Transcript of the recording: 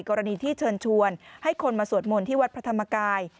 กรณีที่เชิญชวนให้คนมาสวดมนต์ที่วัดพระธรรมกาย